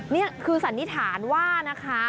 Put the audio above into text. นี่คือสันนิษฐานว่านะคะ